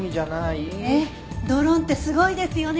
ええドローンってすごいですよね。